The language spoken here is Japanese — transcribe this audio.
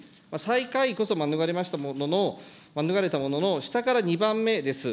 最下位こそ免れたものの、下から２番目です。